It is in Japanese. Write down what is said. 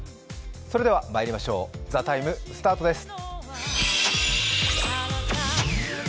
それではまいりましょう「ＴＨＥＴＩＭＥ，」、スタートです。